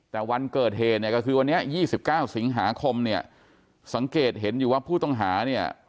แต่วันเกิดเหตุเนี่ยก็คือวันนี้๒๙สิงหาคมเนี่ยสังเกตเห็นอยู่ว่าผู้ต้องหาเนี่ย